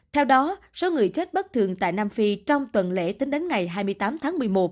theo đó số người chết bất thường tại nam phi trong tuần lễ tính đến ngày hai mươi tám tháng một mươi một